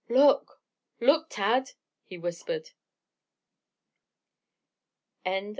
"Look! Look, Tad!" he whispered.